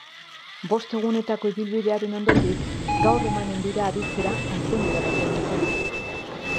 Bost egunetako ibilbidearen ondotik, gaur emanen dira aditzera aurtengo irabazleen izenak.